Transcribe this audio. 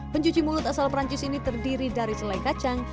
pencuci mulut asal perancis ini terdiri dari selai kacang